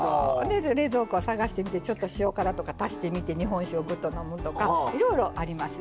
冷蔵庫探してみてちょっと塩辛とか足してみて日本酒をぐっと飲むとかいろいろありますよ。